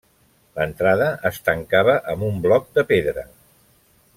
L'entrada es tancava amb un bloc de pedra.